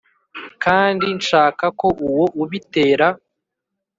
kandi nshaka ko uwo ubitera